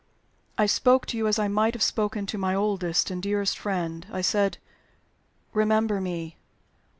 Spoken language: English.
I spoke to you as I might have spoken to my oldest and dearest friend. I said, 'Remember me.